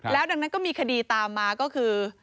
ดังนั้นก็มีคดีตามมาก็คือ